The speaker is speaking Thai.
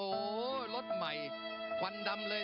โอ้โหรถใหม่ควันดำเลย